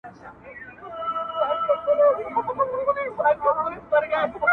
چي یو روح خلق کړو او بل روح په عرش کي ونڅوو